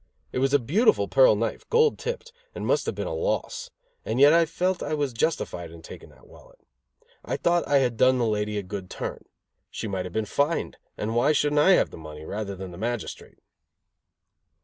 It was a beautiful pearl knife, gold tipped, and must have been a loss; and yet I felt I was justified in taking that wallet. I thought I had done the lady a good turn. She might have been fined, and why shouldn't I have the money, rather than the magistrate?